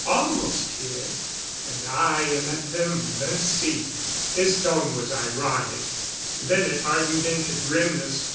Almost here. And I am at their mercy." His tone was ironic; then it hardened into grimness.